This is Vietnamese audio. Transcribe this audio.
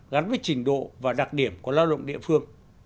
gắn với trình độ và đặc điểm của lao động địa phương